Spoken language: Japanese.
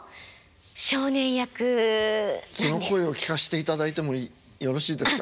その声を聞かせていただいてもよろしいですか？